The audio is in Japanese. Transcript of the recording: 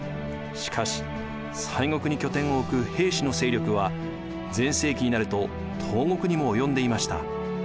しかし西国に拠点を置く平氏の勢力は全盛期になると東国にも及んでいました。